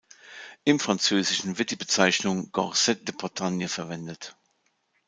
Im Französischen wird die Bezeichnung Gorsedd de Bretagne verwendet.